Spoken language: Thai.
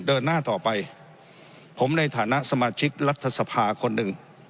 เดินหน้าต่อไปผมในฐานะสมาชิกรัฐสภาคนหนึ่ง